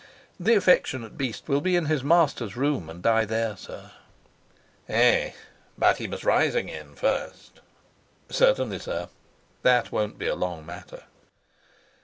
"The affectionate beast will be in his master's room and die there, sir." "Eh, but he must rise again first!" "Certainly, sir. That won't be a long matter."